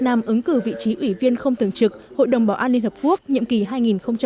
nam ứng cử vị trí ủy viên không thường trực hội đồng bảo an liên hợp quốc nhiệm kỳ hai nghìn hai mươi hai nghìn hai mươi một